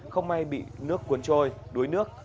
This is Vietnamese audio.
không may bị nước cuốn trôi đuối nước